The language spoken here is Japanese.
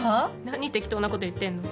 何適当なこと言ってんの？